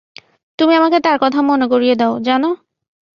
তুমি আমাকে তার কথা মনে করিয়ে দাও, জানো?